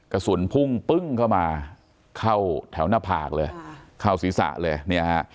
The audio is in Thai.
กระสุนพุ่งปึ้งเข้ามาเข้าแถวหน้าผากเลยเข้าศีรษะเลยเนี่ยฮะ